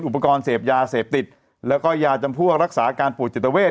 อุปกรณ์เสพยาเสพติดแล้วก็ยาจำพวกรักษาการป่วยจิตเวท